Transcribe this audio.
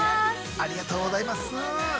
◆ありがとうございます。